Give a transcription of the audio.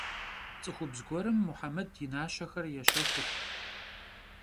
Ts'ıxubz guerım Muhemed yi naşexer yêşexur.